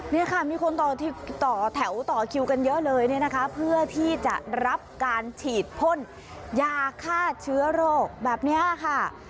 นี่ค่ะมีคนต่อแถวต่อคิวกันเยอะเลยเนี่ยนะคะเพื่อที่จะรับการฉีดพ่นยาฆ่าเชื้อโรคแบบนี้ค่ะ